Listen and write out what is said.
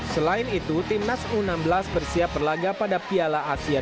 selain itu tim nasional indonesia u enam belas bersiap berlaga pada piala asia dua ribu delapan belas